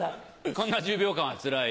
こんな１０秒間はつらい。